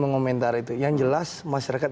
mengomentari itu yang jelas masyarakat